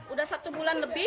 udah satu bulan lebih